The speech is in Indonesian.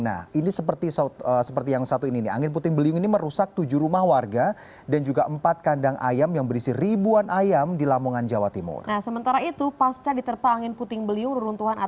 nah ini seperti yang satu ini nih angin puting beliung ini merusak tujuh rumah warga dan juga empat kandang ayam yang berisi ribuan ayam di lamongan jawa timur